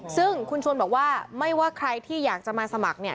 ซึ่งคุณชวนบอกว่าไม่ว่าใครที่อยากจะมาสมัครเนี่ย